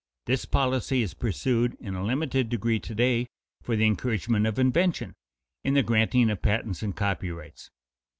This policy is pursued in a limited degree to day for the encouragement of invention, in the granting of patents and copyrights.